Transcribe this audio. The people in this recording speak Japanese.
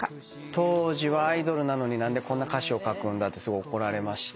当時はアイドルなのに何でこんな歌詞を書くんだって怒られまして。